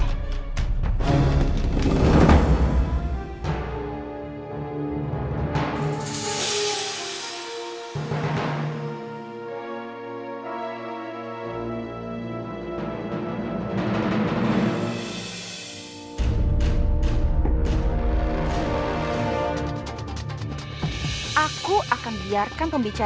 tunggu nanti aku bakal biarkan keer itu